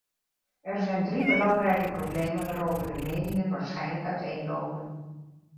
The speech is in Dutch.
Er zijn drie belangrijke problemen, waarover de meningen waarschijnlijk uiteenlopen.